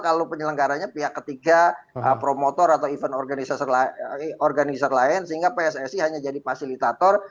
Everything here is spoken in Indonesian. kalau penyelenggaranya pihak ketiga promotor atau event organizer lain sehingga pssi hanya jadi fasilitator